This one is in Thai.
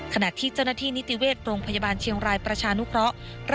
ขณะที่เจ้าหน้าที่นิติเวชโรงพยาบาลเชียงรายประชานุเคราะห์